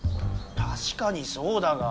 たしかにそうだが。